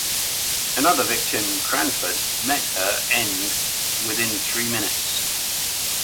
Another victim, "Cranford", met her end within three minutes.